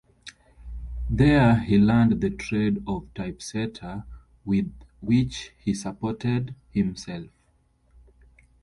There he learned the trade of typesetter with which he supported himself.